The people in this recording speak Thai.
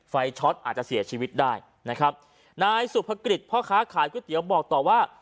ช็อตอาจจะเสียชีวิตได้นะครับนายสุภกิจพ่อค้าขายก๋วยเตี๋ยวบอกต่อว่า